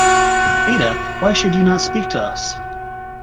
Ada, why should you not speak to us!